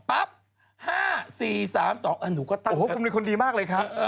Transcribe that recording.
ปั๊ป๕๔๓๒คุณมีคนดีมากเลยคะ